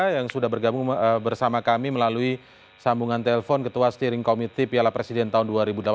yang sudah bergabung bersama kami melalui sambungan telpon ketua steering committee piala presiden tahun dua ribu delapan belas